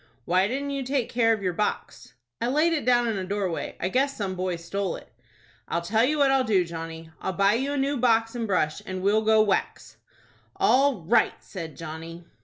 "Why didn't you take care of your box?" "I laid it down in a doorway. I guess some boy stole it." "I'll tell you what I'll do, Johnny. I'll buy you a new box and brush, and we'll go whacks." "All right," said Johnny.